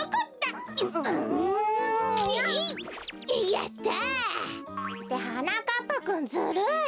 やった！ってはなかっぱくんずるい！